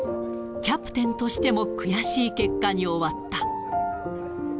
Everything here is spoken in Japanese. キャプテンとしても悔しい結果に終わった。